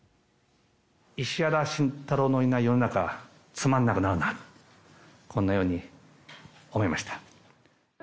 石原慎太郎のいない世の中、つまんなくなるな、こんなように思いました。